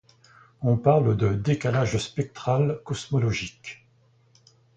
On parle de décalage spectral cosmologique.